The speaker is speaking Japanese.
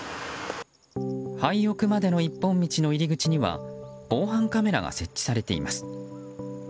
廃屋までの一本道の入り口には防犯カメラが設置されています。